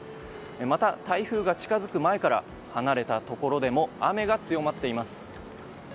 また、台風が近づく前から離れたところでも雨が強まっています。